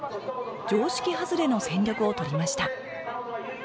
常識外れの戦略をとりました